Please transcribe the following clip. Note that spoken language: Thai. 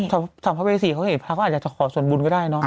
สำหรับเวสีเขาเห็นพระพระก็อาจจะขอส่วนบุญก็ได้เนาะ